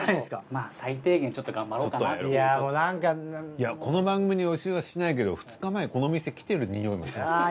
いやこの番組の予習はしないけど２日前この店来てるにおいもしますよね。